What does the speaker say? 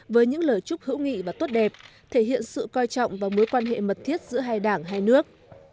với những lời chúc hữu nghị và tốt đẹp thể hiện sự coi trọng và mối quan hệ mật thiết giữa hai đảng hai nước